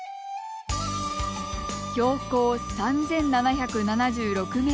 標高３７７６ｍ。